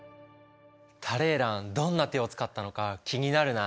タレーランどんな手を使ったのか気になるな。